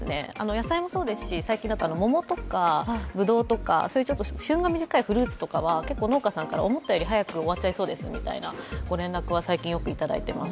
野菜もそうですし、最近は桃とかぶどうとかそういう旬が短いフルーツとかは農家さんから思ったより早く終わっちゃいそうですという連絡は最近よくいただいてます。